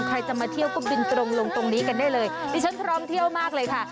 ใครจะมาเที่ยวก็บินตรงลงตรงนี้กันได้เลยดิฉันพร้อมเที่ยวมากเลยค่ะ